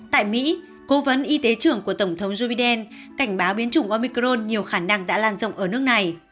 tại mỹ cố vấn y tế trưởng của tổng thống joe biden cảnh báo biến chủng omicron nhiều khả năng đã làn rộng ở nước này